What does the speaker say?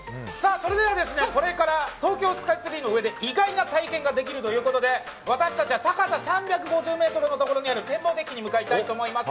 これから東京スカイツリーの上で意外な体験ができるということで私たちは高さ３５０ｍのところにある天望デッキに向かいたいと思います。